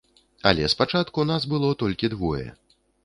Але спачатку нас было толькі двое.